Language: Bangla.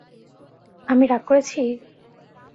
আমি রাগ করেছি?